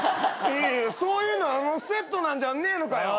そういうのはセットなんじゃねえのかよ？